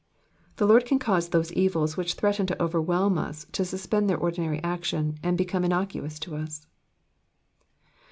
The Lord can cause those evils which threaten to overwhelm us to suspend their ordinary action, and become innocuous to us.